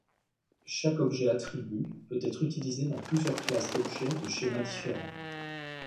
Chaque objet attribut peut être utilisé dans plusieurs classes d'objets de schéma différents.